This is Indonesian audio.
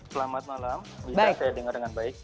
selamat malam bisa saya dengar dengan baik